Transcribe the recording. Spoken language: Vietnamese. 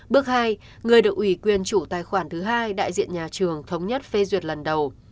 bước hai người được ủy quyền chủ tài khoản thứ hai đại diện nhà trường thống nhất phê duyệt lần đầu